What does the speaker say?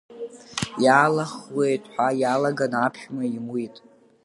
Иалаҳхуеит ҳәа иалаган, аԥшәма имуит.